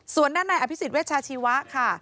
ส่วนด้านนายอภิษฐ์เวชชาชีวะค่ะ